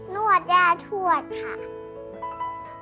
นวดย่าทวดค่ะ